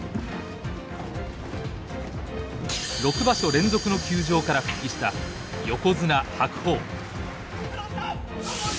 ６場所連続の休場から復帰した横綱白鵬。